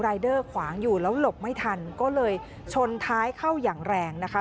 เดอร์ขวางอยู่แล้วหลบไม่ทันก็เลยชนท้ายเข้าอย่างแรงนะคะ